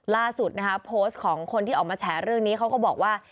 ล่าสุดนะคะโพสต์ของคนที่ออกมาแฉเรื่องนี้เขาก็บอกว่า